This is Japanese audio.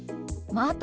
「また」。